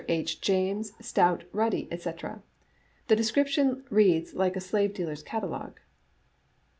H. James, stout, ruddy, etc. The description reads like a 8lave>* dealer's catalogue."